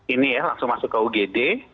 ini ya langsung masuk ke ugd